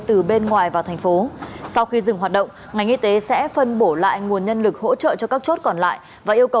từ bên ngoài vào tp sau khi dừng hoạt động ngành y tế sẽ phân bổ lại nguồn nhân lực